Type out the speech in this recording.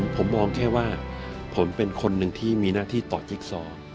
ผมมองแค่ว่าผมเป็นคนหนึ่งที่มีหน้าที่ต่อจิ๊กซอ